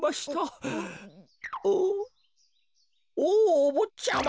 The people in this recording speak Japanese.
おぉおぼっちゃま！